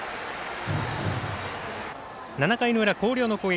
７回の裏、広陵の攻撃。